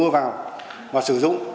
và sử dụng